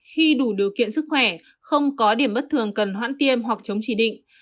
khi đủ điều kiện sức khỏe không có điểm bất thường cần hoãn tiêm hoặc chống chỉ định